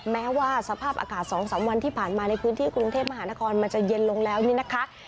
แม้ว่าสภาพอากาศ๒๓วันที่ผ่านมาในพื้นที่กรุงเทพมหานครมันจะเย็นลงแล้วนี่นะคะ